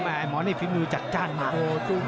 แหมหมานี่ฟิ้มดูจัดจ้านมาก